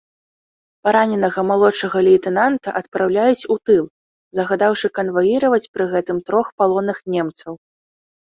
Параненага малодшага лейтэнанта адпраўляюць у тыл, загадаўшы канваіраваць пры гэтым трох палонных немцаў.